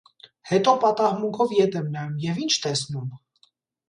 Հետո պատահմունքով ետ եմ նայում և ի՞նչ տեսնում.